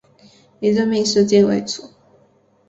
以任命时间为主